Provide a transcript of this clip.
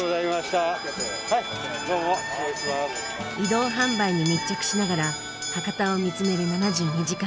移動販売に密着しながら博多を見つめる「７２時間」